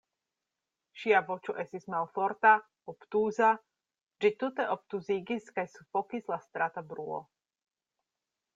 Ŝia voĉo estis malforta, obtuza; ĝin tute obtuzigis kaj sufokis la strata bruo.